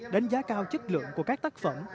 đánh giá cao chất lượng của các tác phẩm